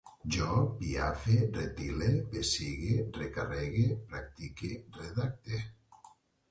Jo piafe, retille, pessigue, recarregue, practique, redacte